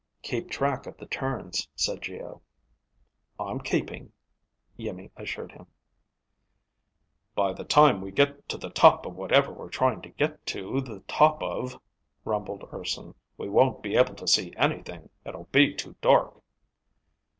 "Keep track of the turns," said Geo. "I'm keeping," Iimmi assured him. "By the time we get to the top of whatever we're trying to get to the top of," rumbled Urson, "we won't be able to see anything. It'll be too dark."